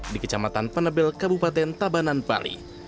di kecamatan penebel kabupaten tabanan bali